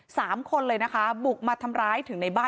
สามคนเลยนะคะบุกมาทำร้ายถึงในบ้าน